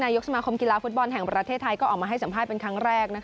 ยกสมาคมกีฬาฟุตบอลแห่งประเทศไทยก็ออกมาให้สัมภาษณ์เป็นครั้งแรก